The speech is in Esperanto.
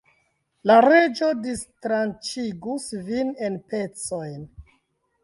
La Reĝo distranĉigus vin en pecojn.